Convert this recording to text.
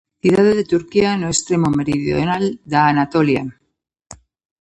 Cidade de Turquía, no extremo meridional da Anatolia.